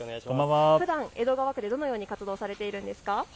ふだん江戸川区でどのように活動されているんですか。